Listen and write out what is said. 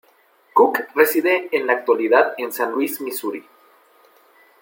Cook reside en la actualidad en San Luis, Misuri.